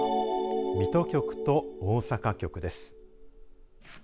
水戸局と大阪局です。